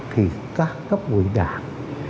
thì các cấp quỷ đảng